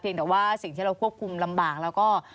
แต่ว่าสิ่งที่เราควบคุมลำบากแล้วก็